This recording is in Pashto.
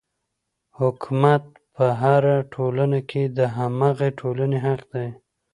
حکومت په هره ټولنه کې د هماغې ټولنې حق دی.